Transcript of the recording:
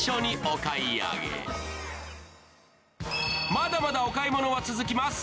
まだまだお買い物は続きます。